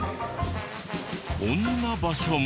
こんな場所も。